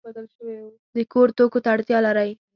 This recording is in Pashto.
د کور توکو ته اړتیا لرئ؟